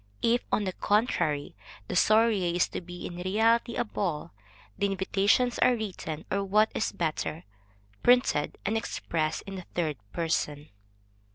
If, on the contrary, the soirée is to be in reality a ball, the invitations are written, or what is better, printed, and expressed in the third person.